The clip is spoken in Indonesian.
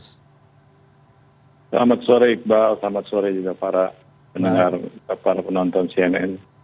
selamat sore iqbal selamat sore juga para penonton cnn